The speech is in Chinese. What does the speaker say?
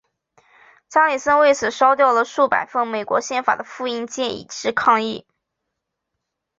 加里森为此烧掉了数百份美国宪法的复印件以示抗议。